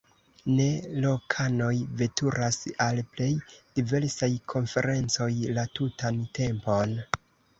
Ne, lokanoj veturas al plej diversaj konferencoj la tutan tempon.